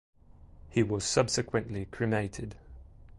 He was subsequently cremated.